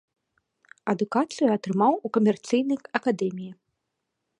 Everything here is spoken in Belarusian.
Адукацыю атрымаў у камерцыйнай акадэміі.